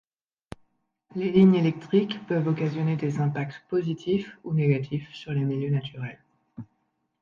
Les lignes électriques peuvent occasionner des impacts positifs ou négatifs sur les milieux naturels.